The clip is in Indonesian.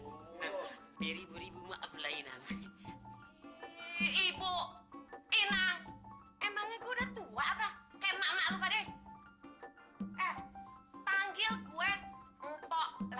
emangnya udah tua apa kayak maklum padeh eh panggil gue mpok leha